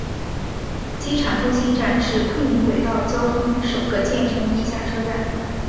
机场中心站是昆明轨道交通首个建成地下车站。